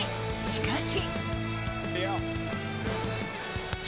しかし。